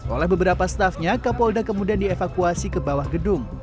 oleh beberapa staffnya kapolda kemudian dievakuasi ke bawah gedung